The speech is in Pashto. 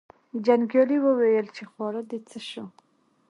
جنګیالي وویل چې خواړه دې څه شو.